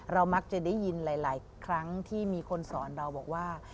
มักจะได้ยินหลายครั้งที่มีคนสอนเราบอกว่า